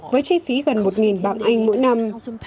với chi phí gần một bảng anh mỗi năm